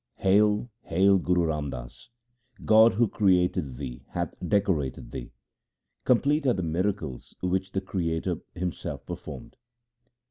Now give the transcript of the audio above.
Hail ! hail Guru Ram Das ! God who created thee hath decorated thee. Complete are the miracles which the Creator Himself performed.